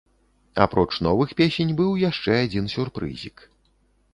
Апроч новых песень быў яшчэ адзін сюрпрызік.